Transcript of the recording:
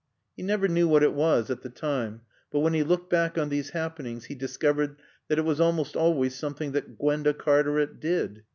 He never knew what it was at the time, but when he looked back on these happenings he discovered that it was always something that Gwenda Cartaret did.